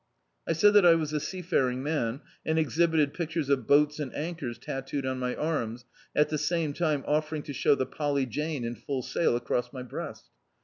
I said that I was a seafaring man, and exhibited pictures of boats and anchors tattooed on my arms, at the same time offering to show the Polly Jane in full sail across my breast.